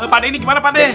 pak de ini gimana pak de